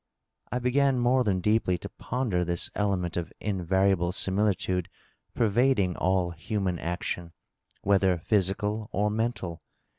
I b^n more than deeply to ponder this element of invariable similitude pervading all human action, whether physical or mental.